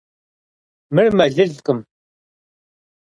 Мыр мэлылкъым.